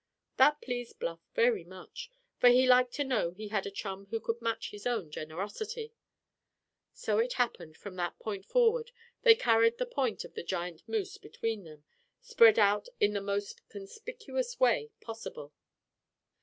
That pleased Bluff very much, for he liked to know he had a chum who could match his own generosity. So it happened that from that point forward they carried the horns of the giant moose between them, spread out in the most conspicuous way possible.